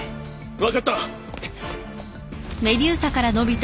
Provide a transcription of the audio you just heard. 分かった。